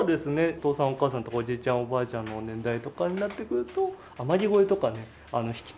お父さんお母さんとかおじいちゃんおばあちゃんの年代とかになってくると『天城越え』とかね弾きたいわなんて。